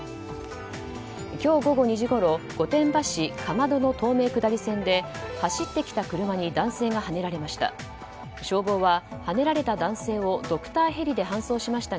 今日午後２時ごろ、御殿場氏竈の東名下り線で走ってきた車に男性がはねられました。